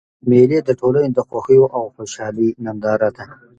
مېلې د ټولني د خوښیو او خوشحالۍ ننداره ده.